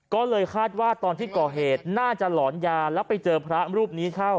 ก็เลยคาดว่าตอนที่ก่อเหตุน่าจะหลอนยาแล้วไปเจอพระรูปนี้เข้า